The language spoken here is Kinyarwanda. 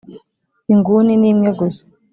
inguni nimwe gusa